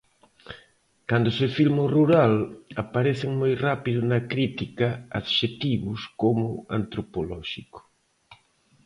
Cando se filma o rural, aparecen moi rápido na crítica adxectivos como "antropolóxico".